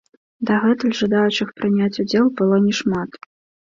Дагэтуль жадаючых прыняць удзел было не шмат.